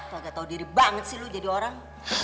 kagak tau diri banget sih lu jadi orang